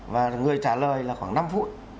và người trả lời là khoảng năm phút